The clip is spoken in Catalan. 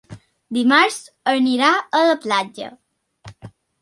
Dimarts anirà a la platja.